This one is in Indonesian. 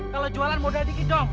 kalau jualan modah ini dong